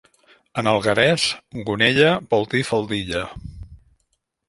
En alguerès gonella vol dir faldilla.